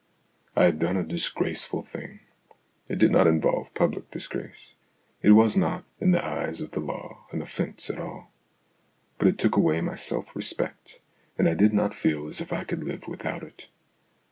I had done a disgraceful thing. It did not involve public disgrace ; it was not, in the eyes of the law, an offence at all. But it took away my self respect, and I did not feel as if I could live without it.